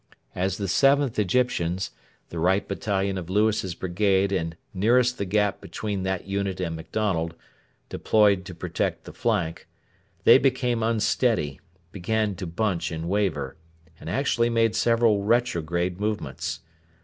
As the 7th Egyptians, the right battalion of Lewis's brigade and nearest the gap between that unit and MacDonald, deployed to protect the flank, they became unsteady, began to bunch and waver, and actually made several retrograde movements.